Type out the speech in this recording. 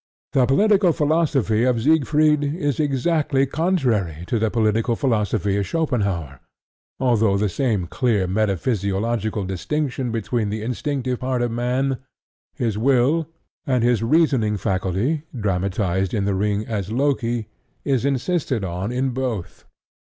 The political philosophy of Siegfried is exactly contrary to the political philosophy of Schopenhaur, although the same clear metaphysiological distinction between the instinctive part of man (his Will) and his reasoning faculty (dramatized in The Ring as Loki) is insisted on in both.